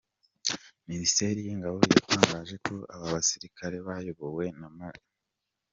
Minisiteri y’ingabo yatangaje ko aba basirikare bayobowe na Maj.